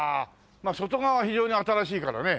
外側は非常に新しいからね。